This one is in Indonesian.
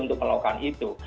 untuk melakukan itu